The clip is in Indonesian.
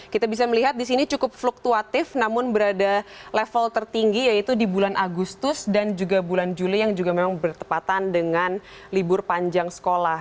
kita bisa melihat di sini cukup fluktuatif namun berada level tertinggi yaitu di bulan agustus dan juga bulan juli yang juga memang bertepatan dengan libur panjang sekolah